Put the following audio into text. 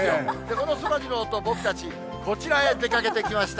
このそらジローと僕たち、こちらへ出かけてきました。